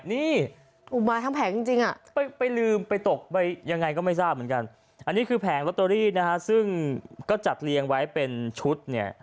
นี่ไปลืมไปตกไปยังไงก็ไม่ทราบเหมือนกันอันนี้คือแผงล็อตเตอรี่ซึ่งก็จัดเรียงไว้เป็นชุด